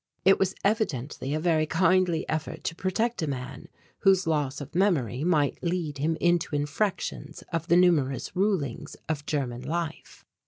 It was evidently a very kindly effort to protect a man whose loss of memory might lead him into infractions of the numerous rulings of German life.